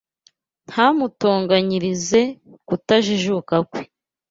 ntamutonganyirize kutajijuka kwe